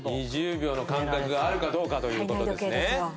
２０秒の感覚があるかどうかという事ですね。